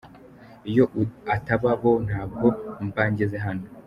Iyo ataba bo ntabwo mba ngeze hano.